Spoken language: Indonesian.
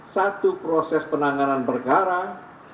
satu proses penanganan perkara